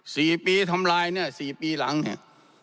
สี่ปีทำลายเนี่ยสี่ปีหลังเนี่ย